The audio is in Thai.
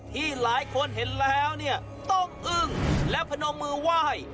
ที่หลายคนเห็นแล้วเนี่ยต้องอึ้งและพนมมือไหว้